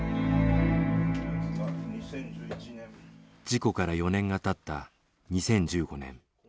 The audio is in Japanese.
事故から４年がたった２０１５年。